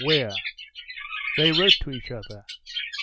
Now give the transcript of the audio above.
where? They wrote to each other.